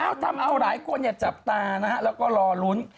อาจารย์หลายคนอยากจับตาแล้วก็รอล้น